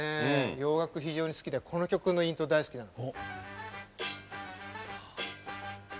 洋楽、非常に好きでこの曲のイントロが大好きなの。